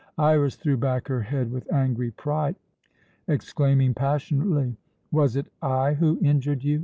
Iras threw back her head with angry pride, exclaiming passionately: "Was it I who injured you?